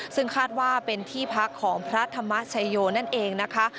ซึ่งคาดว่าเป็นที่พักของพระธรรมชโยนั่นเองนะคะ